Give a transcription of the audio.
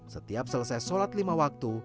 setiap selesai sholat lima waktu